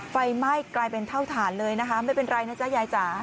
ไฟไหม้กลายเป็นเท่าฐานเลยนะคะไม่เป็นไรนะจ๊ะยายจ๋า